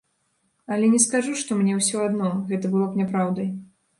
Але не скажу, што мне ўсё адно, гэта было б няпраўдай.